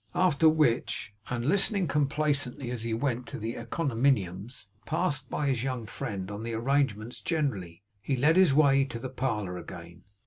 After which, and listening complacently as he went, to the encomiums passed by his young friend on the arrangements generally, he led the way to the parlour again.